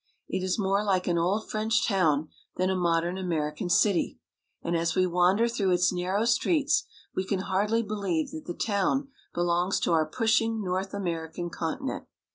It is more like an old French town than a mod ern American city ; and as we wander through its narrow streets we can hardly believe that the town belongs to our pushing North American continent.